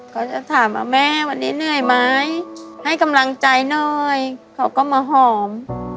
เขาจะถามว่าแม่วันนี้เหนื่อยไหมให้กำลังใจหน่อยเขาก็มาหอม